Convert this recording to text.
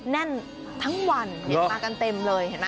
แน่นทั้งวันมากันเต็มเลย